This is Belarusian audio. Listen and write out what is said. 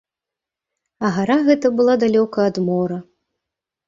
А гара гэта была далёка ад мора.